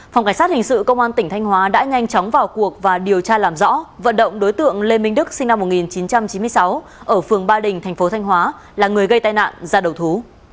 phòng cảnh sát hình sự công an tỉnh thanh hóa đã nhanh chóng vào cuộc và điều tra làm rõ vận động đối tượng lê minh đức sinh năm một nghìn chín trăm chín mươi sáu ở phường ba đình thành phố thanh hóa là người gây tai nạn ra đầu thú